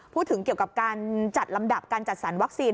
พูดถึงเกี่ยวกับการจัดลำดับการจัดสรรวัคซีน